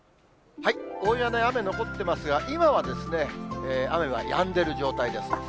大屋根、雨残ってますが、今はですね、雨はやんでる状態です。